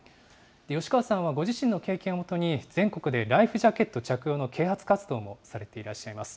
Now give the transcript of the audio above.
吉川さんはご自身の経験をもとに、全国でライフジャケット着用の啓発活動もされていらっしゃいます。